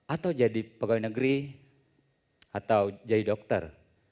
atau jadi pegawai negeri atau jadi dokter